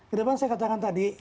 ke depan saya katakan tadi